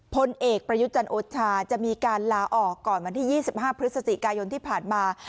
พลเอกประยุจันทร์โอชาจะมีการลาออกก่อนวันที่๒๕พฤศจิกายนที่ผ่านมา